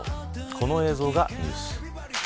この映像がニュース。